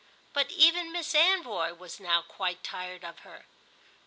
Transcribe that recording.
But even Miss Anvoy was now quite tired of her.